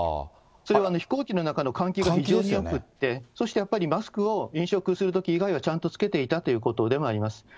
それは飛行機の中の換気が非常によくて、そしてやっぱりマスクを飲食するとき以外は、ちゃんと着けていたということでもあります。